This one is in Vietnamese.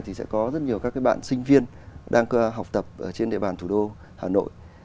thì sẽ có rất nhiều các bạn sinh viên đang học tập trên địa bàn thủ đô hà nội